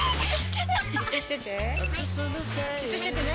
じっとしててはいじっとしててね！